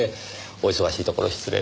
お忙しいところ失礼。